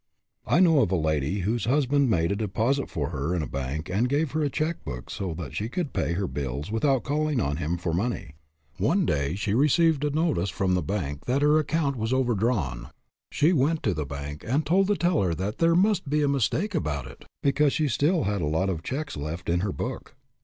I know of a lady whose husband made a deposit for her in a bank and gave her a check book so that she could pay her bills without calling on him for money. One day she received a notice from the bank that her account was overdrawn. She went to the bank and told the teller that there must be a mistake about it, because she still had a lot of checks left in her book.